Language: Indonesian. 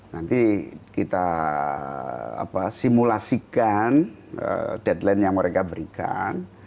nanti kita simulasikan deadline yang mereka berikan